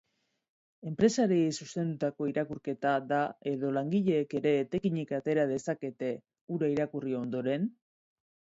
Enpresariei zuzendutako irakurketa da edo langileek ere etekinik atera dezakete hura irakurri ondoren?